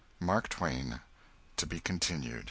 MARK TWAIN. (_To be Continued.